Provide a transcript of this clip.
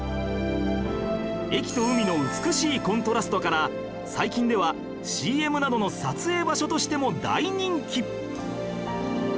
駅と海の美しいコントラストから最近では ＣＭ などの撮影場所としても大人気！